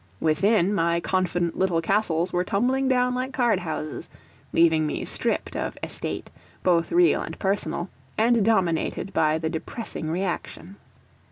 Within, my confident little castles were tumbling down like card houses, leaving me stripped of estate, both real and personal, and dominated by the depressing reaction.